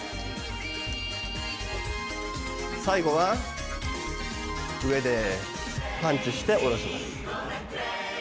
最後は上でパンチして下ろします。